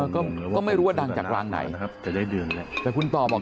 ก็ไม่รู้ว่าดังจากรางไหนแต่คุณต่อบอก